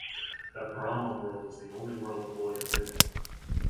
The Brahma world is the only world devoid of women.